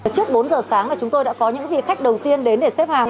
trước bốn giờ sáng chúng tôi đã có những vị khách đầu tiên đến để xếp hàng